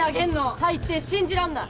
最低信じらんない！